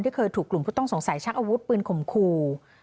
ที่เคยถูกกลุ่มพวกต้องสงสัยชักอาวุธพื้นขมคู